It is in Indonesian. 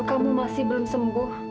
kamu masih belum sembuh